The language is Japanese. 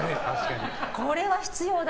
これは必要だ。